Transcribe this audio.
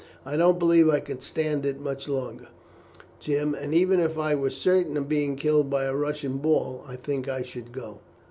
I don't believe I could stand it much longer, Jim; and even if I were certain of being killed by a Russian ball I think I should go."